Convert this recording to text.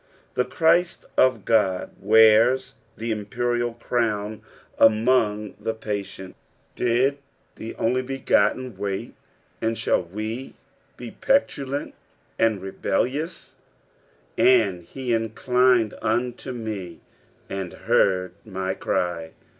The Christ of Ood wears the imperial crown amons the Mtient. Did the Onlj Begotten wait, and shall wo be petulant and rebellious 1 "And he inclined unto me, and heard my cry."